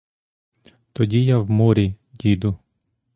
Тоді я в морі, діду.